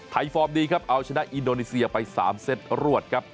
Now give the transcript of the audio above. ฟอร์มดีครับเอาชนะอินโดนีเซียไป๓เซตรวดครับ